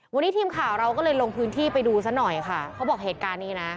วันนี้ทีมข่าวเราก็เลยลงพื้นที่ไปดูซะหน่อยค่ะเขาบอกเหตุการณ์นี้นะ